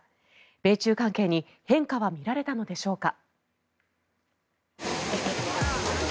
米中関係に変化は見られたのでしょうか。